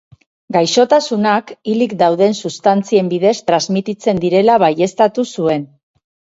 Gaixotasunak hilik dauden substantzien bidez transmititzen direla baieztatu zuen.